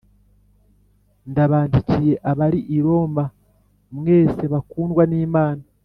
ndabandikiye abari i Roma mwese bakundwa n’Imana